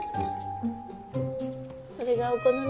それがお好みか。